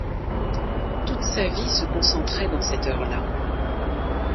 Toute sa vie se concentrait dans cette heure-là.